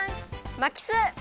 まきす！